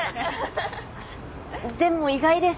でも意外です。